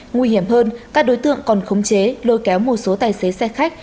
nguy hiểm hơn các đối tượng còn khống chế lôi kéo một số tài xế xe khách